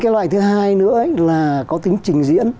loại thứ hai nữa có tính trình diễn